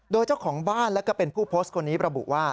โดยเจ้าของบ้านแล้วก็เป็นผู้โพสต์คนนี้ระบุว่า